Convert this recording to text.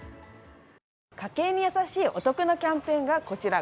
家計にやさしいお得なキャンペーンがこちら、